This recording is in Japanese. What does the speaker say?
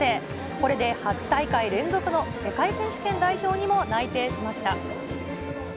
これで８大会連続の世界選手権代表にも内定しました。